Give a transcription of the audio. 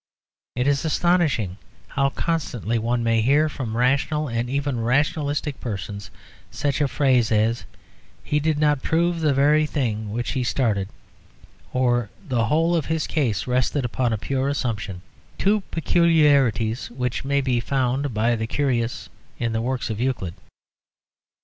It is astonishing how constantly one may hear from rational and even rationalistic persons such a phrase as "He did not prove the very thing with which he started," or, "The whole of his case rested upon a pure assumption," two peculiarities which may be found by the curious in the works of Euclid.